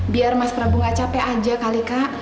biar mas prabu gak capek aja kali kak